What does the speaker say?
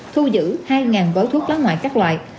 thu giữ hai gói thuốc lá ngoại các loại